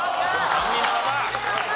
３人のまま！